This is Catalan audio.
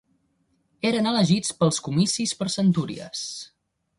Eren elegits pels comicis per centúries.